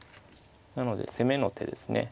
なので攻めの手ですね。